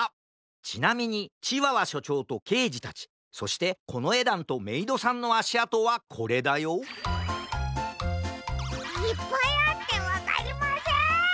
ちなみにチワワしょちょうとけいじたちそしてこのえだんとメイドさんのあしあとはこれだよいっぱいあってわかりません！